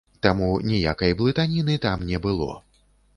Таму ніякай блытаніны там не было.